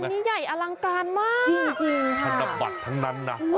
ขนาดใหญ่อลังการมากทันตะบัตรทั้งนั้นน่ะ